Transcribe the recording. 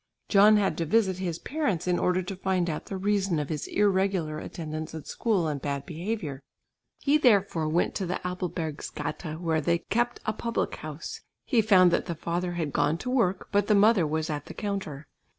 John had to visit his parents in order to find out the reason of his irregular attendance at school and bad behaviour. He therefore went to the Apelbergsgata where they kept a public house. He found that the father had gone to work, but the mother was at the counter.